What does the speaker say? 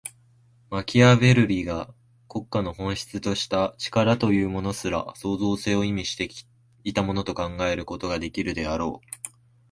マキアヴェルリが国家の本質とした「力」というものすら、創造性を意味していたものと考えることができるであろう。